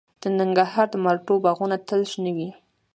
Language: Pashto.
د ننګرهار د مالټو باغونه تل شنه وي.